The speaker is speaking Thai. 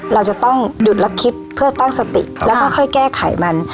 เราจะต้องหยุดและคิดเพื่อตั้งสติแล้วก็ค่อยแก้ไขมัน